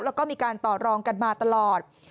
แล้วก็มีการต่อรองกันมาตลอด